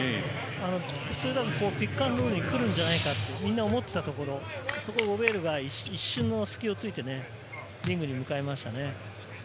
普通だとピックアンドロールに来るんじゃないかってみんな思っていたところをゴベールが一瞬の隙をついてね、リングに向ましたね。